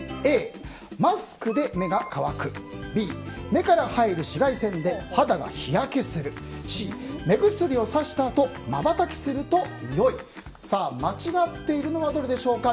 Ａ、マスクで目が乾くＢ、目から入る紫外線で肌が日焼けするＣ、目薬をさしたあとまばたきすると良い間違っているのはどれでしょうか。